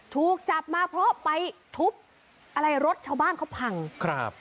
ถูกจับมาเพราะไปทุบอะไรรถชาวบ้านเขาพังครับ